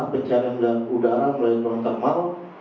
pencarian dengan udara melalui turun termal